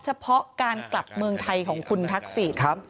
เฉพาะการกลับเมืองไทยของคุณทักษิณ